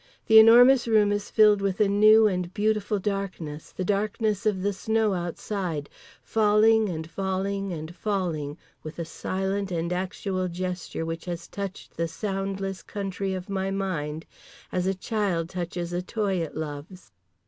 The Enormous Room is filled with a new and beautiful darkness, the darkness of the snow outside, falling and falling and falling with the silent and actual gesture which has touched the soundless country of my mind as a child touches a toy it loves….